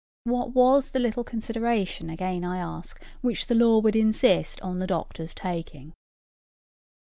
What was the little consideration again, I ask, which the law would insist on the doctor's taking?